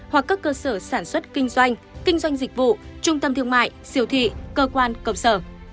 hoặc các cơ sở sản xuất kinh doanh kinh doanh dịch vụ trung tâm thương mại siêu thị cơ quan công sở